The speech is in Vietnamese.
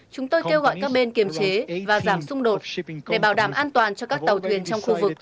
chúng tôi kêu gọi các bên kiềm chế và giảm xung đột để bảo đảm an toàn cho các tàu thuyền trong khu vực